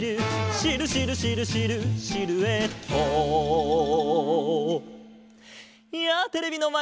「シルシルシルシルシルエット」やあテレビのまえのみんな！